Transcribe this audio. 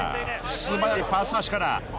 素早いパス回しから。